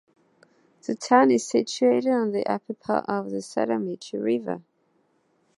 The town is situated on the upper part of the Sadamitsu River.